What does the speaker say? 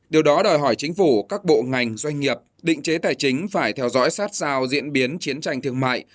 điều đó đòi hỏi chính phủ các bộ ngành doanh nghiệp định chế tài chính phải theo dõi sát sao diễn biến chiến tranh thương mại